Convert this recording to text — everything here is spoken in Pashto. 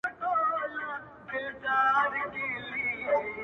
o په هغې باندي چا کوډي کړي؛